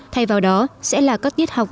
thay vào đó sẽ là các tiết học